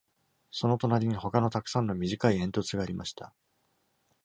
その隣に他のたくさんの短い煙突がありました。